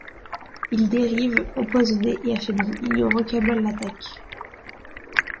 Il dérive, empoisonné et affaibli, ignorant quel mal l'attaque.